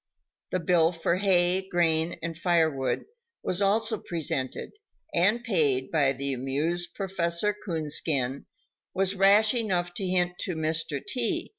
The bill for hay, grain and firewood was also presented and paid by the amused Prof. Coonskin was rash enough to hint to Mr. T.